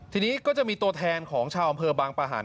ทีนี้ก็จะมีตัวแทนของชาวอำเภอบางประหัน